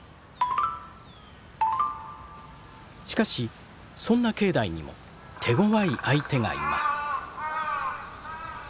しかしそんな境内にも手ごわい相手がいます。